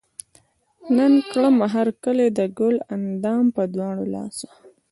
نن کړمه هر کلے د ګل اندام پۀ دواړه لاسه